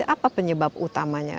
apa penyebab utamanya